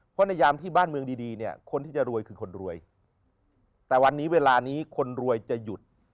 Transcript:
เพราะในยามที่บ้านเมืองดีเนี่ย